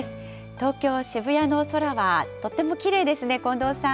東京・渋谷の空はとてもきれいですね、近藤さん。